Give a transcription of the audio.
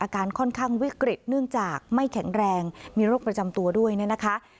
อาการค่อนข้างวิกฤตเนื่องจากไม่แข็งแรงมีโรคประจำตัวด้วยเนี่ยนะคะ